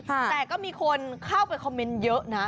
แต่ก็มีคนเข้าไปคอมเมนต์เยอะนะ